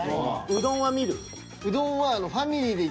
うどんは見る？